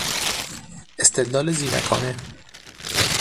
استدلال زیرکانه